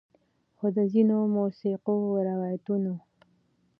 خو د ځینو مؤثقو روایتونو